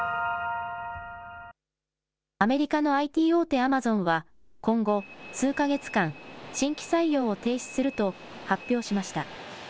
アメリカのＩＴ大手、アマゾンは今後、数か月間、新規採用を停止すると発表しました。